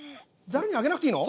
ザルにあげなくていいの？